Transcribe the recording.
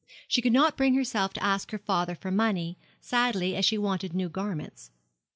She could not bring herself to ask her father for money, sadly as she wanted new garments.